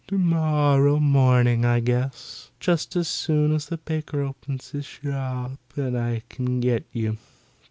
"Tomorrow morning, I guess; just as soon as the baker opens his shop and I can get you."